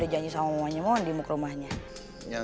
ya ini siapa